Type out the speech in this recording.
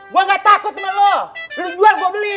gue nggak takut sama lo lo jual gue beli